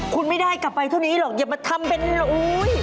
คุณไม่ได้กลับไปเท่านี้หรอกอย่ามาทำเป็นอุ๊ย